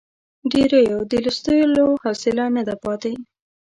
ډېریو د لوستلو حوصله نه ده پاتې.